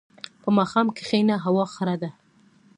په ماښام کښېنه، هوا خړه ده.